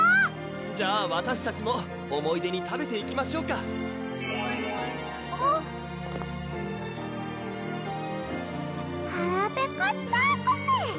じゃあわたしたちも思い出に食べていきましょうかはらペコったコメ！